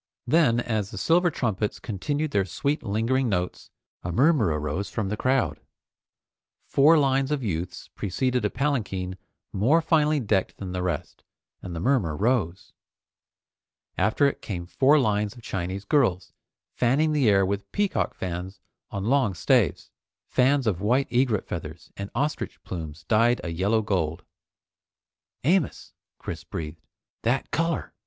Then, as the silver trumpets continued their sweet lingering notes, a murmur arose from the crowd. Four lines of youths preceded a palanquin more finely decked than the rest, and the murmur rose. After it came four lines of Chinese girls, fanning the air with peacock fans on long staves, fans of white egret feathers, and ostrich plumes dyed a yellow gold. "Amos!" Chris breathed, "That color!